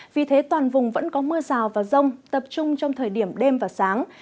vì thế toàn vùng vẫn có mưa rào và rông tập trung trong thời điểm đêm và sáng